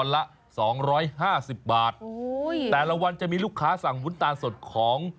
ละสองร้อยห้าสิบบาทโอ้ยแต่ละวันจะมีลูกค้าสั่งวุ้นตาลสดของ